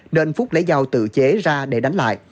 nên phúc lấy dao tự chế ra để đánh lại